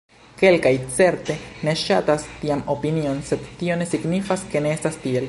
Kelkaj certe ne ŝatas tian opinion, sed tio ne signifas, ke ne estas tiel.